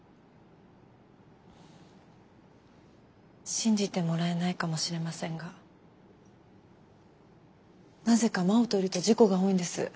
信じてもらえないかもしれませんがなぜか真央といると事故が多いんです。